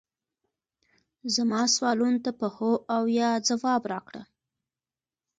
زما سوالونو ته په هو او یا ځواب راکړه